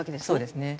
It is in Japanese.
そうですね。